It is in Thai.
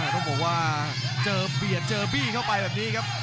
ต้องบอกว่าเจอเบียดเจอบี้เข้าไปแบบนี้ครับ